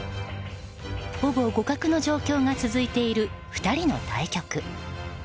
ほぼ互角の状況が続いている２人の対局。